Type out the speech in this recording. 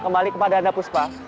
kembali kepada anda puspa